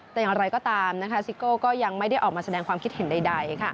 แต่อย่างไรก็ตามซิโก้ก็ยังไม่ได้ออกมาแสดงความคิดเห็นใด